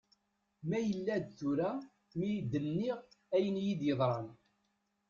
Ma yella d tura mi d-nniɣ ayen iyi-yeḍran.